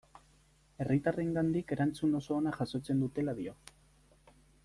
Herritarrengandik erantzun oso ona jasotzen dutela dio.